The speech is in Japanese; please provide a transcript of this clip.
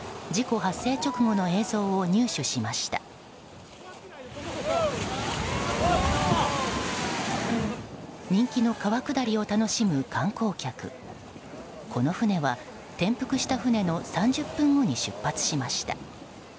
この船は、転覆した船の３０分後に出発しました。